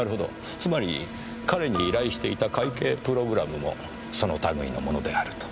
つまり彼に依頼していた会計プログラムもその類のものであると。